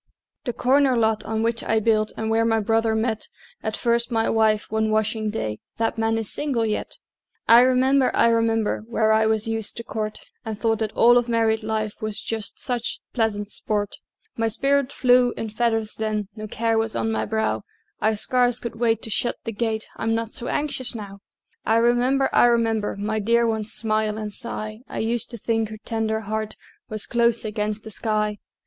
The "corner lot" on which I built, And where my brother met At first my wife, one washing day, That man is single yet! I remember, I remember, Where I was used to court, And thought that all of married life Was just such pleasant sport: My spirit flew in feathers then, No care was on my brow; I scarce could wait to shut the gate, I'm not so anxious now! I remember, I remember, My dear one's smile and sigh; I used to think her tender heart Was close against the sky.